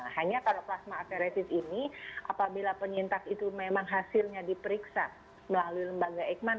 hanya kalau plasma afteresis ini apabila penyintas itu memang hasilnya diperiksa melalui lembaga eijkman